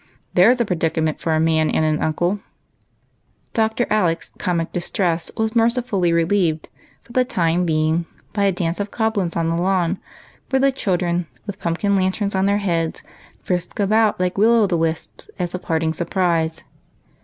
There 's a predicament for a man and an uncle !" Dr. Alec's comic distress was mercifully relieved for the time being by a dance of goblins on the lawn, where the children, with pumpkin lanterns on their heads, frisked about like will o' the wisps, as a parting surprise.